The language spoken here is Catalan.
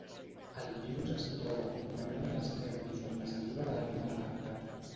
El virus es troba comunament en els nervis o en la saliva de l'animal afectat.